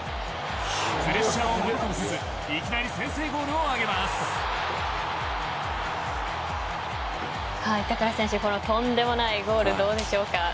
プレッシャーをものともせず板倉選手このとんでもないゴールどうでしょうか。